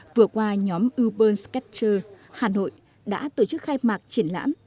vừa qua nhóm urban scratcher hà nội đã tổ chức khai mạc triển lãm